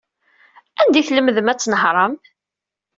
Anda ay tlemdem ad tnehṛem?